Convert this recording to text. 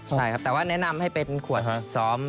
ใช่ครับแต่ว่าแนะนำให้เป็นขวดซ้อม